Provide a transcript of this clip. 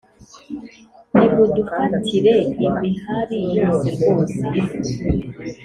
Nimudufatire imihari yose rwose